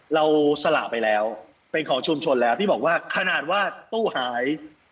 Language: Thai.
เราสละไปแล้วเป็นของชุมชนแล้วที่บอกว่าขนาดว่าตู้หาย